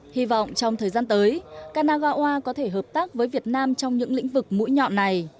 hy vọng trong thời gian tới kanagawa có thể hợp tác với việt nam trong những lĩnh vực mũi nhọn này